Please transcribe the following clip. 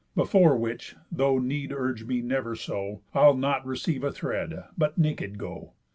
Before which, though need urg'd me never so, I'll not receive a thread, but naked go.